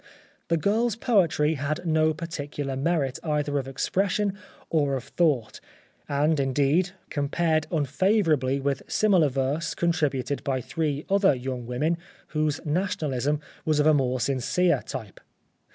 The girl's poetry has no particular merit either of expression or of thought, and, indeed, compared unfavourably with similar verse con tributed by three other young women, whose Nationalism was of a more sincere type.